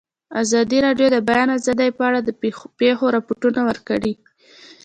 ازادي راډیو د د بیان آزادي په اړه د پېښو رپوټونه ورکړي.